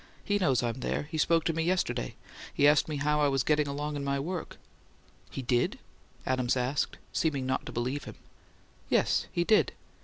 "He knows I'm there. He spoke to me yesterday: he asked me how I was getting along with my work." "He did?" Adams said, seeming not to believe him. "Yes. He did."